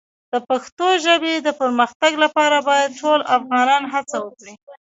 د پښتو ژبې د پرمختګ لپاره باید ټول افغانان هڅه وکړي.